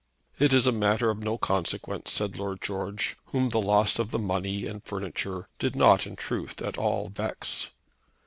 "It is a matter of no consequence," said Lord George, whom the loss of the money and furniture did not in truth at all vex.